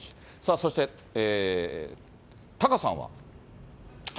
そして、タカさんは。